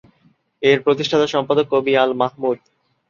এর প্রতিষ্ঠাতা সম্পাদক কবি আল মাহমুদ।